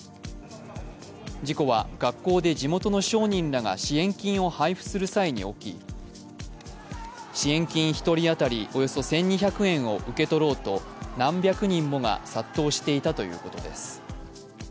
事故は学校で地元の商人らが支援金を配布する際に起き支援金１人当たりおよそ１２００円を受け取ろうと何百人もが殺到していたということです。